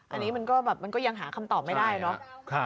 อ๋ออันนี้มันก็ยังหาคำตอบไม่ได้เนอะ